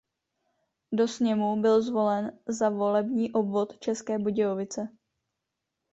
Do sněmu byl zvolen za volební obvod České Budějovice.